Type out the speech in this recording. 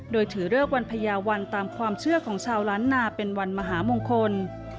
โดยถือเลิกวันพญาวันตามความเชื่อของชาวล้านนาเป็นวันมหามงคล